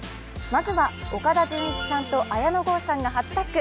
まずは岡田准一さんと綾野剛さんが初タッグ。